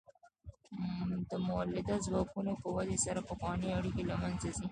د مؤلده ځواکونو په ودې سره پخوانۍ اړیکې له منځه ځي.